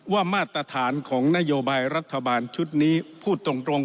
มาตรฐานของนโยบายรัฐบาลชุดนี้พูดตรง